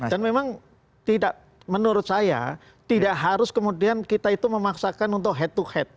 dan memang tidak menurut saya tidak harus kemudian kita itu memaksakan untuk head to head